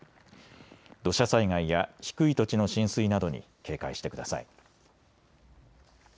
土砂災害や低い土地の浸水などに警戒してください。